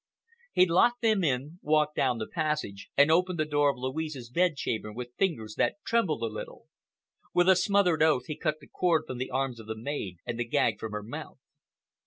He locked them in, walked down the passage and opened the door of Louise's bedchamber with fingers that trembled a little. With a smothered oath he cut the cord from the arms of the maid and the gag from her mouth.